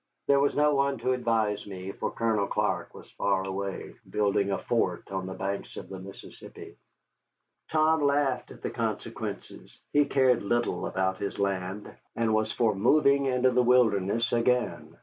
There was no one to advise me, for Colonel Clark was far away, building a fort on the banks of the Mississippi. Tom had laughed at the consequences; he cared little about his land, and was for moving into the Wilderness again.